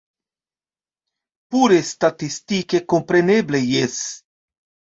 Pure statistike kompreneble jes.